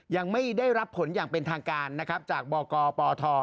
ยังไม่ได้รับผลอย่างเป็นทางการนะครับจากบกปท